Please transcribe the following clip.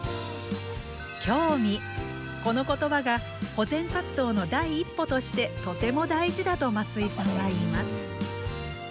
この言葉が保全活動の第一歩としてとても大事だと増井さんは言います。